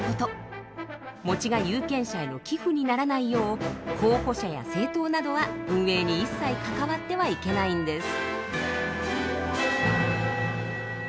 もちが有権者への寄付にならないよう候補者や政党などは運営に一切関わってはいけないんです。